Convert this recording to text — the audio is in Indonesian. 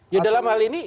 ya dalam hal ini